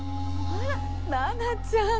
あら奈々ちゃん。